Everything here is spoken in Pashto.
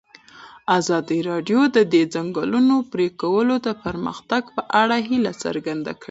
ازادي راډیو د د ځنګلونو پرېکول د پرمختګ په اړه هیله څرګنده کړې.